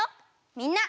みんな。